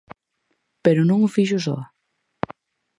Pero non o fixo soa.